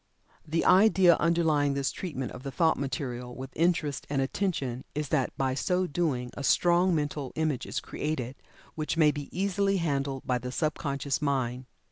The idea underlying this treatment of the thought material with interest and attention is that by so doing a strong "Mental Image" is created, which may be easily handled by the sub conscious mind.